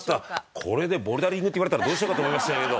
これでボルダリングって言われたらどうしようかと思いましたけど。